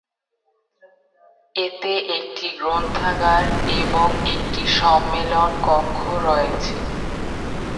এতে একটি গ্রন্থাগার এবং একটি সম্মেলন কক্ষ রয়েছে।